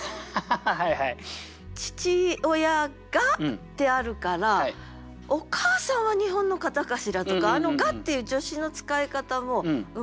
「父親が」ってあるからお母さんは日本の方かしらとかあの「が」っていう助詞の使い方もうまいんだよね。